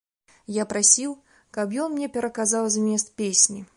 Я прасіў, каб ён мне пераказаў змест песні.